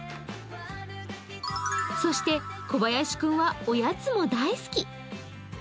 そして、小林くんはおやつも大好き。